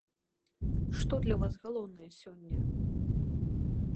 Што для вас галоўнае сёння?